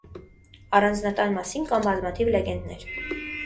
Առանձնատան մասին կան բազմաթիվ լեգենդներ։